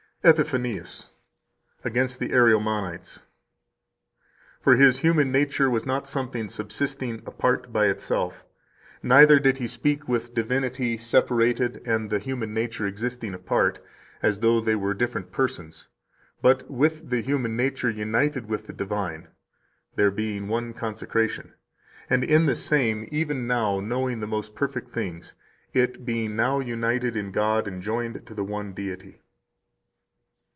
130 EPIPHANIUS, Against the Ariomanites, p. 337 (Haeres., 69; p. 789, ed. Colon.): "For His human nature was not something subsisting apart by itself, neither did He speak with the divinity separated and the human nature existing apart, as though they were different persons, but with the human nature united with the divine (there being one consecration), and in the same even now knowing the most perfect things, it being now united in God and joined to the one Deity."